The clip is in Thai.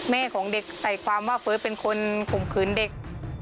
แม่ของเด็กใส่ความว่าเฟิร์สเป็นคนข่มขืนเด็ก